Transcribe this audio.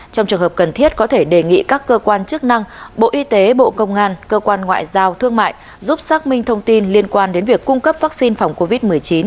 trong trường hợp cần thiết có thể đề nghị các cơ quan chức năng bộ y tế bộ công an cơ quan ngoại giao thương mại giúp xác minh thông tin liên quan đến việc cung cấp vaccine phòng covid một mươi chín